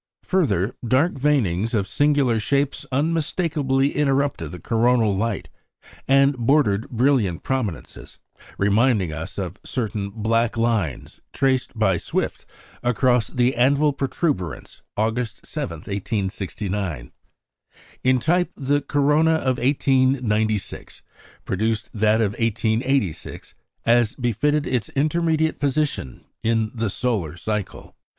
Further, dark veinings of singular shapes unmistakably interrupted the coronal light, and bordered brilliant prominences, reminding us of certain "black lines" traced by Swift across the "anvil protuberance" August 7, 1869. In type the corona of 1896 reproduced that of 1886, as befitted its intermediate position in the solar cycle.